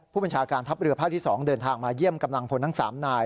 ผู้บัญชาการทัพเรือภาคที่๒เดินทางมาเยี่ยมกำลังพลทั้ง๓นาย